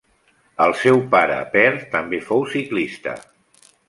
El seu pare Per també fou ciclista.